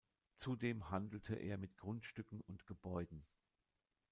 Zudem handelte er mit Grundstücken und Gebäuden.